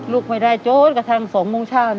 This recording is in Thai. ลุกไม่ได้โจทย์กระทั่ง๒โมงเช่านะ